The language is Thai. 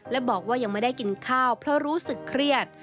และบอกว่ายังไม่ได้กินข้าวเพราะรู้สึกเครียด